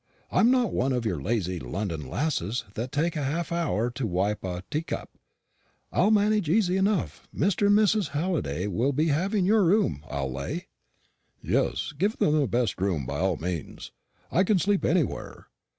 I'm not one of your lazy London lasses that take half an hour to wipe a teacup. I'll manage easy enough. Mr. and Mrs. Halliday will be having your room, I'll lay." "Yes; give them the best room, by all means. I can sleep anywhere.